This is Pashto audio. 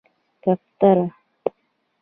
🕊 کفتره